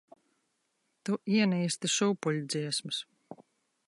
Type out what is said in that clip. Tu ienīsti šūpuļdziesmas.